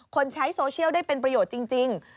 ใช้โซเชียลได้เป็นประโยชน์จริง